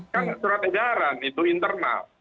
kan surat edaran itu internal